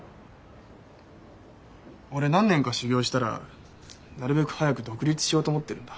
俺何年か修業したらなるべく早く独立しようと思ってるんだ。